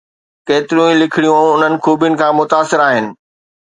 ڪيتريون ئي لکڻيون انهن خوبين کان متاثر آهن.